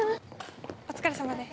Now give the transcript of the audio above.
お疲れさまです。